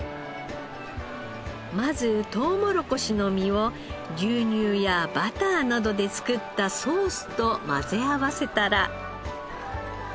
まずとうもろこしの実を牛乳やバターなどで作ったソースと混ぜ合わせたら。